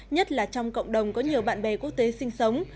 nhất là trong cộng đồng có nhiều bạn bè quốc tế sinh sống